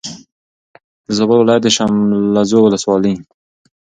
د زابل ولایت د شملزو ولسوالي